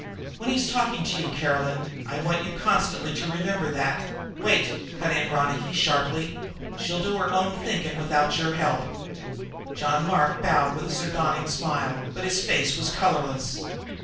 When he's talking to you, Caroline, I want you constantly to remember that " "Wait!" cut in Ronicky sharply. "She'll do her own thinking, without your help." John Mark bowed with a sardonic smile, but his face was colorless.